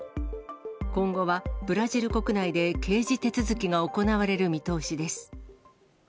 今後はブラジル国内で刑事手続きが行われる見通しです。